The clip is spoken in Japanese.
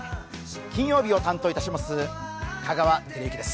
金曜日を担当いたします